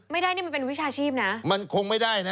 ไม่ได้นี่มันเป็นวิชาชีพนะมันคงไม่ได้นะ